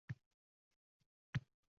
Ammo hanuz Majnunniki boʻlib qolgan